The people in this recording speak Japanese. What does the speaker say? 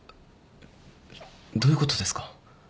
どういうことですか？